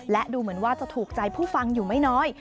และดูเหมือนว่าจะถูกใจผู้ฟังอยู่ไม่น้อย